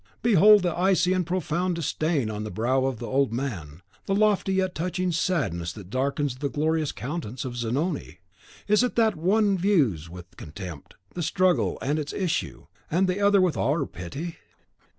Behold the icy and profound disdain on the brow of the old man, the lofty yet touching sadness that darkens the glorious countenance of Zanoni. Is it that one views with contempt the struggle and its issue, and the other with awe or pity?